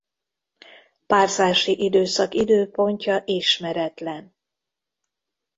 Párzási időszak időpontja ismeretlen.